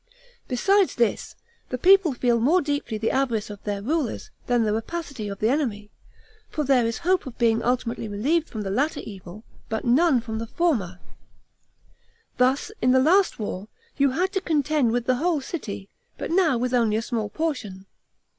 Besides this, the people feel more deeply the avarice of their rulers, than the rapacity of the enemy; for there is hope of being ultimately relieved from the latter evil, but none from the former. Thus, in the last war, you had to contend with the whole city; but now with only a small portion.